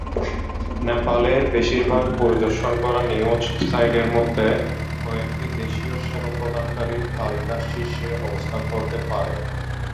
নেপালের বেশিরভাগ পরিদর্শন করা নিউজ সাইটের মধ্যে কয়েকটি দেশীয় সেবা প্রদানকারী তালিকার শীর্ষে অবস্থান করতে পারে।